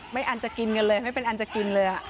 ไม่อั่นจะกินกันเลยไม่เป็นอั่นจะกินเลยครับ